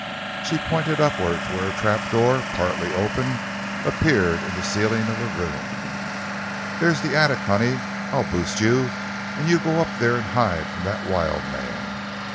She pointed upward, to where a trap door, partly open, appeared in the ceiling of the room. "There's the attic, honey. I'll boost you, an' you go up there an' hide from that wild man.